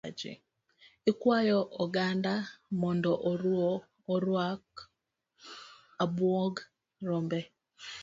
Ikwayo oganda mondo oruk abuog rombe.